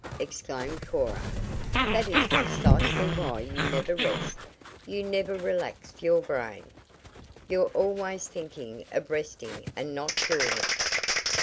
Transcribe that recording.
exclaimed Cora, "that is precisely why you never rest you never relax your brain. You're always thinking of resting and not doing it."